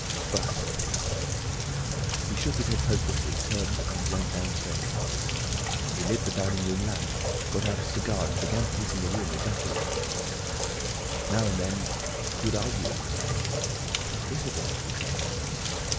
"But—" He shook his head hopelessly, turned, and went downstairs. He lit the dining room lamp, got out a cigar, and began pacing the room, ejaculating. Now and then he would argue with himself. "Invisible!" he said.